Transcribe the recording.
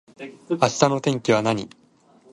明日の天気は何